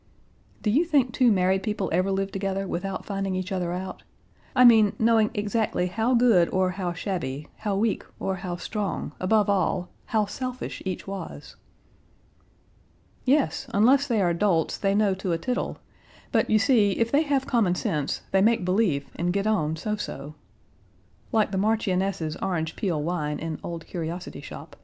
"Do you think two married people ever lived together without finding each other out? I mean, knowing exactly how good or how shabby, how weak or how strong, above all, how selfish each was?" "Yes; unless they are dolts, they know to a tittle; but you see if they have common sense they make believe and get on, so so." Like the Marchioness's orange peel wine in Old Curiosity Shop.